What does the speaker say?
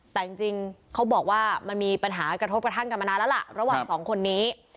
แต่จริงเขาบอกว่ามันมีปัญหากระทบกระทั่งกันมานานแล้วล่ะระหว่างสองคนนี้